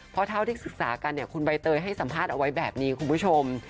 เพราะเท่าที่ศึกษากันเนี่ยคุณใบเตยให้สัมภาษณ์เอาไว้แบบนี้คุณผู้ชม